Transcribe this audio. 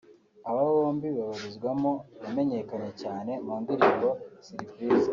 aba bombi babarizwamo yamenyekanye cyane mu ndirimbo ‘Surprise’